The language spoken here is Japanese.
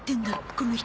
この人。